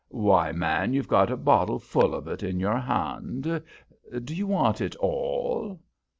Why, man, you've got a bottle full of it in your hand! Do you want it all?"